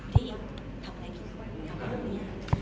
ที่ทำอะไรดีกว่าทำอะไรไม่ง่าย